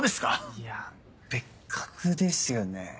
いや別格ですよね。